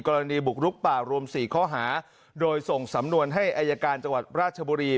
กรณีบุกลุกป่ารวม๔ข้อหาโดยส่งสำนวนให้อายการจังหวัดราชบุรี